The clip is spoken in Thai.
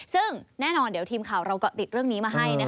ซึ่งแน่นอนเดี๋ยวทีมข่าวเราก็ติดเรื่องนี้มาให้